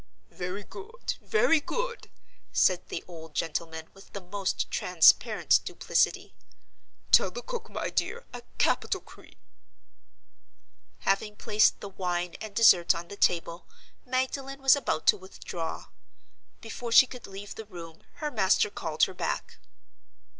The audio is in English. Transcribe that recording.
"Very good! very good!" said the old gentleman, with the most transparent duplicity. "Tell the cook, my dear, a capital cream!" Having placed the wine and dessert on the table, Magdalen was about to withdraw. Before she could leave the room, her master called her back.